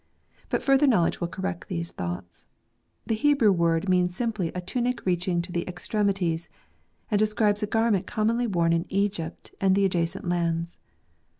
But further knowledge will correct these thoughts. The Hebrew word means simply a tunic reaching to the extremities, and describes a garment commonly worn in Egypt and the adjacent lands.